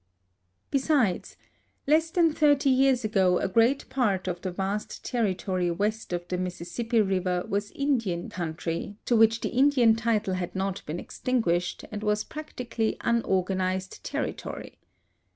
Besides, less than thirt_y years ago a great part of tlie vast ter ritory west of the Mississippi river was Indian country, to which the Indian title had not been extinguished, and was practically unorganized territory.